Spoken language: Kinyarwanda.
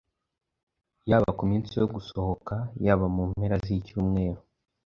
Yaba ku minsi yo gusohoka, yaba mu mpera z’icyumweru...